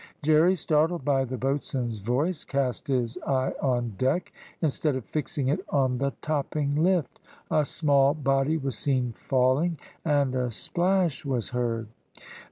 Jerry, startled by the boatswain's voice, cast his eye on deck, instead of fixing it on the topping lift. A small body was seen falling, and a splash was heard.